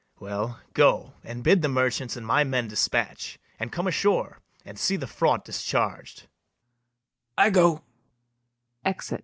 Well, go, And bid the merchants and my men despatch, And come ashore, and see the fraught discharg'd. SECOND MERCHANT. I go.